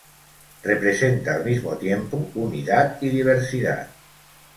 Representa, al mismo tiempo, unidad y diversidad.